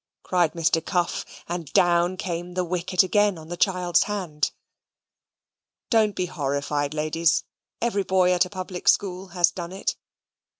cried Mr. Cuff, and down came the wicket again on the child's hand. Don't be horrified, ladies, every boy at a public school has done it.